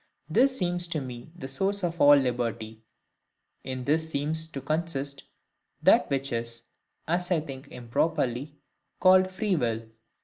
This seems to me the source of all liberty; in this seems to consist that which is (as I think improperly) called FREE WILL.